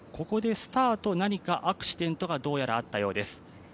ここでスタート、何かアクシデントがどうやらあったようです。